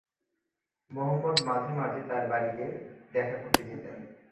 মুহাম্মাদ মাঝে মাঝে তার বাড়িতে দেখা করতে যেতেন।